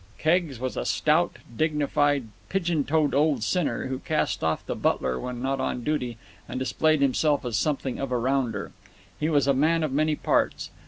Keggs was a stout, dignified, pigeon toed old sinner, who cast off the butler when not on duty and displayed himself as something of a rounder. He was a man of many parts.